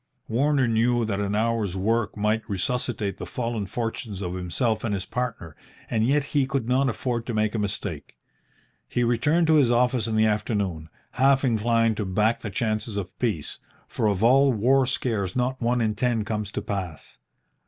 Warner knew that an hour's work might resuscitate the fallen fortunes of himself and his partner, and yet he could not afford to make a mistake. He returned to his office in the afternoon, half inclined to back the chances of peace, for of all war scares not one in ten comes to pass.